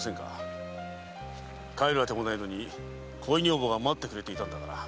帰るあてもないのに恋女房が待っていたんだから。